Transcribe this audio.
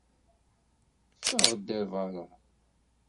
Ffeɣ-d ar beṛṛa!